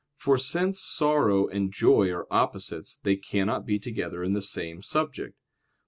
For since sorrow and joy are opposites, they cannot be together in the same subject.